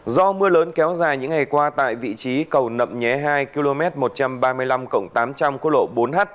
do mưa lớn kéo dài những ngày qua tại vị trí cầu nậm nhé hai km một trăm ba mươi năm tám trăm linh cô lộ bốn h